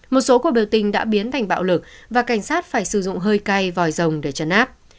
một số cuộc biểu tình đã biến thành bạo lực và cảnh sát phải sử dụng hơi cay vòi rồng để trấn áp